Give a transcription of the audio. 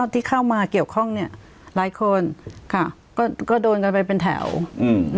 ที่เข้ามาเกี่ยวข้องเนี้ยหลายคนค่ะก็ก็โดนกันไปเป็นแถวอืม